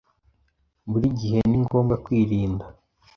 Buri gihe ni ngombwa kwirinda